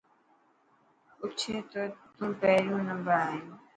پڇي ته تون پهريون نمبر آئين.